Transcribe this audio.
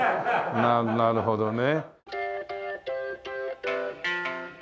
なるほどね。